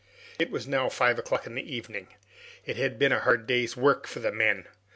It was now five o'clock in the evening. It had been a hard day's work for the men.